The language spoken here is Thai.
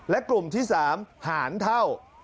และกลุ่มที่๓หารเท่า